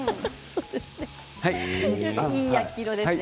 いい焼き色ですね。